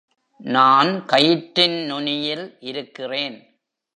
நான் கயிற்றின் நுனியில் இருக்கிறேன்.